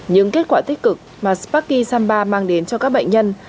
những kết quả tích cực mà sparky samba mang đến cho các bệnh nhân